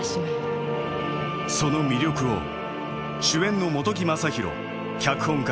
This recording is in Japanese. その魅力を主演の本木雅弘脚本家